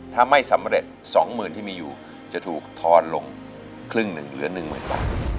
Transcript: ถ้าไม่สำเร็จสองหมื่นที่มีอยู่จะถูกทอดลงครึ่งหนึ่งเหลือหนึ่งหมื่นบาท